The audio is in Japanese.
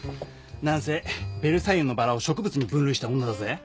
何せ『ベルサイユのばら』を植物に分類した女だぜ。